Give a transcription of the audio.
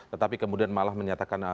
tetapi kemudian malah menyatakan